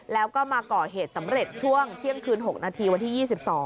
แล้วก็มาก่อเหตุสำเร็จช่วงเที่ยงคืน๖นาทีวันที่๒๒